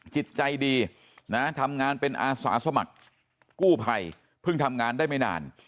จิตใจดีนะทำงานเป็นอาสาสมัครกู้ภัยเพิ่งทำงานได้ไม่นาน